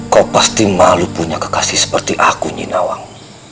kau pasti malu punya kekasih seperti aku nyinawang